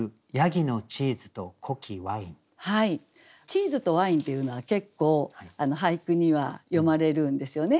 チーズとワインっていうのは結構俳句には詠まれるんですよね。